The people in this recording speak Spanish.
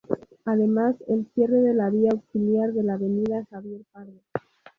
Además, el cierre de la vía auxiliar de la avenida Javier Pardo.